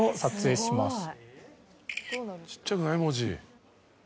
ちっちゃくない？文字。